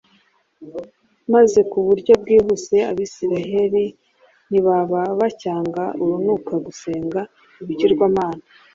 maze mu buryo bwihuse abisirayeli ntibaba bacyanga urunuka gusenga ibigirwamana